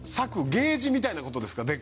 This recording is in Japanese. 柵ゲージみたいな事ですか？